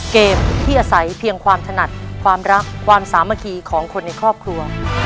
เกมที่อาศัยเพียงความถนัดความรักความสามัคคีของคนในครอบครัว